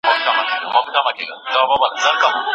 د جرګي په فضا کي به د ایماندارۍ او اخلاص وړانګي خپري وي.